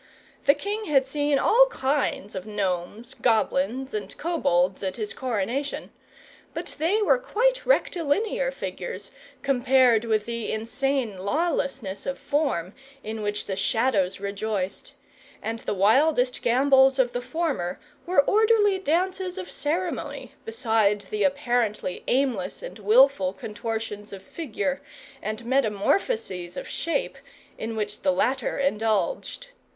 The king had seen all kind of gnomes, goblins, and kobolds at his coronation; but they were quite rectilinear figures compared with the insane lawlessness of form in which the Shadows rejoiced; and the wildest gambols of the former were orderly dances of ceremony beside the apparently aimless and wilful contortions of figure, and metamorphoses of shape, in which the latter indulged.